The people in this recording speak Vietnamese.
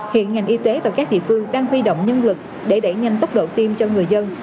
hiện ngành y tế và các địa phương đang huy động nhân lực để đẩy nhanh tốc độ tiêm cho người dân